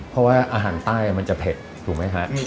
เพราะว่าอาหารใต้มันจะเผ็ดถูกไหมฮะ